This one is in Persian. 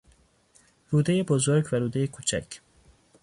رودهی بزرگ و رودهی کوچک